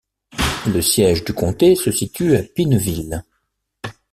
Le siège du comté se situe à Pineville.